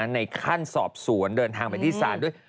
ในขั้นสอบสวนเดินทางไปที่ศาลด้วย